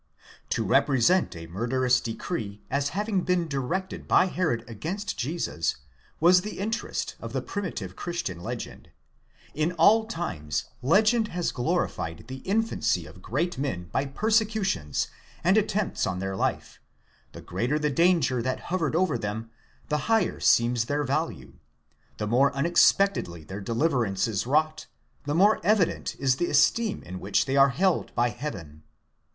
To represent a murderous decree as having been directed by Herod against Jesus, was the interest of the primitive christian legend. In all times legend has glorified the infancy of great men by persecutions and attempts on their life ; the greater the danger that hovered over them, the higher seems their value ; the more unexpectedly their deliverance is wrought, the more evident is the esteem in which they are held by heaven.